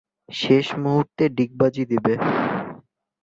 শেষ মুহূর্তে ডিগবাজি দেবে।